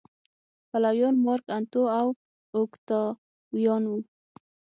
پلویان مارک انتو او اوکتاویان و